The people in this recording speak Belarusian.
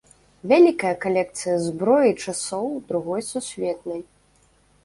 Вялікая калекцыя зброі часоў другой сусветнай.